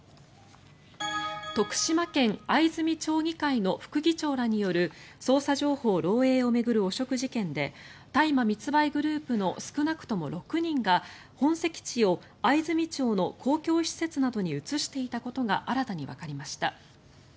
徳島県藍住町議会の副議長らによる捜査情報漏えいを巡る汚職事件で大麻密売グループの少なくとも６人が本籍地を藍住町の公共施設などに移していたことが新たにわかりました。